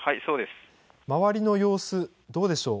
周りの様子、どうでしょう。